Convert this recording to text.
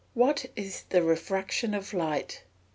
_What is the refraction of light?